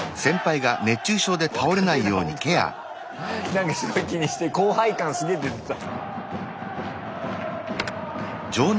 なんかすごい気にして後輩感すげえ出てた。